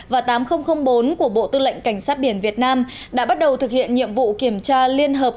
và tám nghìn bốn của bộ tư lệnh cảnh sát biển việt nam đã bắt đầu thực hiện nhiệm vụ kiểm tra liên hợp